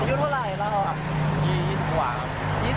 อายุเท่าไหร่เหล่าอ่ะ